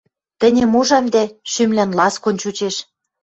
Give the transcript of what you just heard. Тӹньӹм ужам дӓ, шӱмлӓн ласкон чучеш...